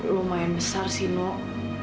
lumayan besar sih nuk